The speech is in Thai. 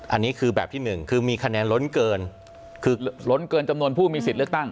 อันนี้คือแบบที่หนึ่งคือมีคะแนนล้นเกินคือล้นเกินจำนวนผู้มีสิทธิ์เลือกตั้ง